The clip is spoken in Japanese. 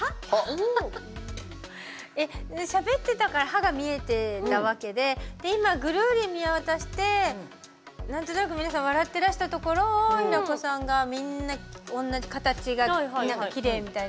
しゃべってたから歯が見えてたわけで今、ぐるり見渡してなんとなく皆さん笑ってらしたところを平子さんが、みんな同じ「形がきれい」みたいな。